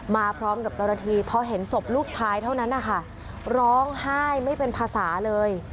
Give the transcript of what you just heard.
มาพร้อมกับเจ้าหน้าที่พอเห็นศพลูกชายเท่านั้นนะคะร้องไห้ไม่เป็นภาษาเลย